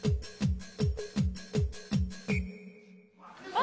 あ！